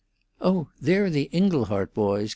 "Oh, there are the Inglehart boys!"